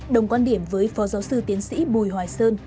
đồng quan điểm với phó giáo sư tiến sĩ bùi hoài sơn